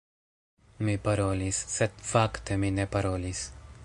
Mi parolis, sed fakte mi ne parolis.